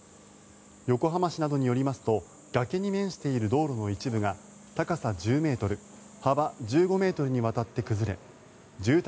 横浜市などによりますと崖に面している道路の一部が高さ１０ｍ、幅１５ｍにわたって崩れ住宅